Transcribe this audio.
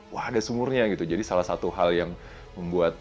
wah ada sumurnya gitu jadi salah satu hal yang membuat